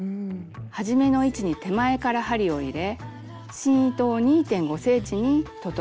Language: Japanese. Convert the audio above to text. はじめの位置に手前から針を入れ芯糸を２．５ｃｍに整えます。